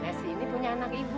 iya si ini punya anak ibu